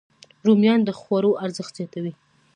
رومیان د خوړو ارزښت زیاتوي